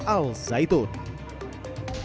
beberapa kelompok penyelidikan yang menerima penodaan agama